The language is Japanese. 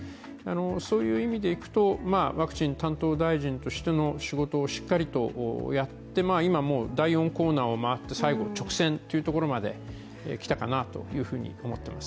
そういう意味でいくとワクチン担当大臣としての仕事をしっかりとやって、今、第４コーナーを回って最後、直線というところまで来がかなと思ってます。